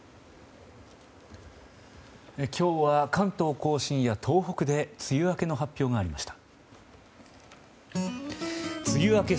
今日は関東・甲信や東北で梅雨明けの発表がありました。